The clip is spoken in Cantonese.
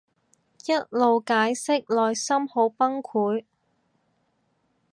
一路解釋內心好崩潰